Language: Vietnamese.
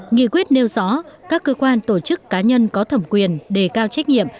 nghị quyết nêu rõ các cơ quan tổ chức cá nhân có thẩm quyền đề cao trách nhiệm